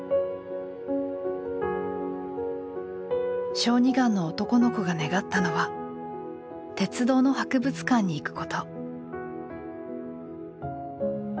小児がんの男の子が願ったのは鉄道の博物館に行くこと。